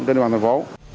trên đường thành phố